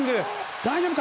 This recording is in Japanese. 大丈夫か？